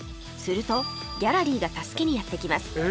するとギャラリーが助けにやって来ます